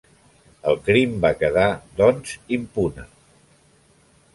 El crim va quedar, doncs, impune.